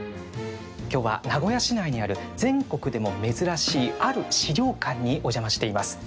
今日は、名古屋市内にある全国でも珍しいある資料館にお邪魔しています。